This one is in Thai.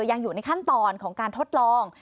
ยังอยู่ในขั้นตอนของการทดลอง